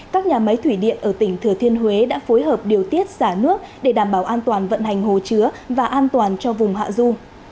các nhà máy thủy điện ở tỉnh thừa thiên huế đã phối hợp điều tiết xả nước để đảm bảo an toàn vận hành hồ chứa và an toàn cho vùng hạ du